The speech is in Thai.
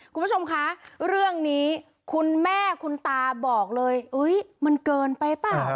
คุณผู้ชมคะเรื่องนี้คุณแม่คุณตาบอกเลยมันเกินไปเปล่า